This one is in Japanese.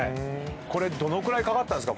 どのくらいかかったんですか？